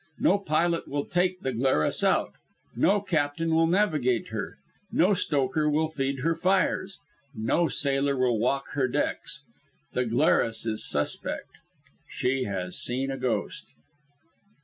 No pilot will take the Glarus out; no captain will navigate her; no stoker will feed her fires; no sailor will walk her decks. The Glarus is suspect. She has seen a ghost.